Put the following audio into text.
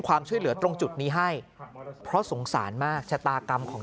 ความช่วยเหลือตรงจุดนี้ให้เพราะสงสารมากชะตากรรมของ